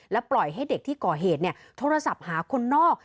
ปล่อยให้เด็กที่ก่อเหตุโทรศัพท์หาคนนอก